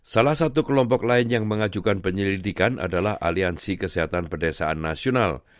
salah satu kelompok lain yang mengajukan penyelidikan adalah aliansi kesehatan pedesaan nasional